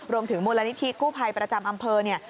รวมถึงมูลนิธิกู้ภัยประจำอำเภอเนี่ย